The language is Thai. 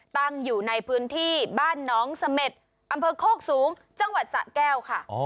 ตั้งอยู่ในพื้นที่บ้านน้องเสม็ดอำเภอโคกสูงจังหวัดสะแก้วค่ะ